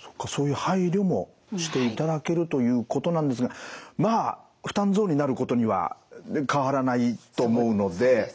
そっかそういう配慮もしていただけるということなんですがまあ負担増になることには変わらないと思うので。